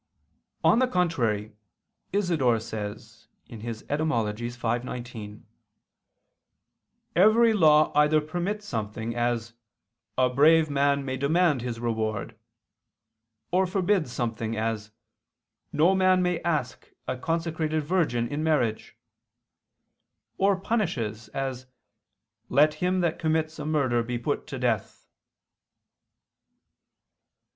On the contrary, Isidore says (Etym. v, 19): "Every law either permits something, as: 'A brave man may demand his reward'": or forbids something, as: "No man may ask a consecrated virgin in marriage": or punishes, as: "Let him that commits a murder be put to death."